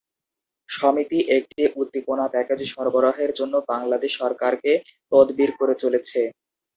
সমিতি একটি উদ্দীপনা প্যাকেজ সরবরাহের জন্য বাংলাদেশ সরকারকে তদবির করে চলেছে।